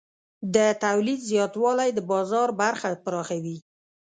د تولید زیاتوالی د بازار برخه پراخوي.